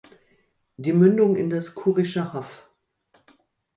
Die Mündung in das Kurische Haff.